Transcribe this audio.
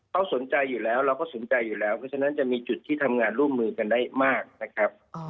เขาสนใจอยู่แล้วเราก็สนใจอยู่แล้วเพราะฉะนั้นจะมีจุดที่ทำงานร่วมมือกันได้มากนะครับ